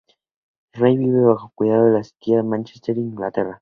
Ray vive bajo el cuidado de su tía en Mánchester, Inglaterra.